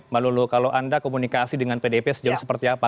maluluh kalau anda komunikasi dengan pdip sejauh seperti apa